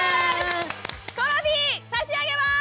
トロフィー差し上げます。